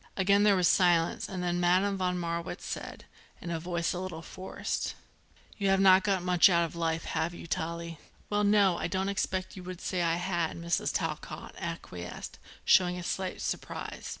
Again there was silence and then Madame von Marwitz said, in a voice a little forced: "You have not got much out of life, have you, Tallie?" "Well, no; I don't expect you would say as I had," Mrs. Talcott acquiesced, showing a slight surprise.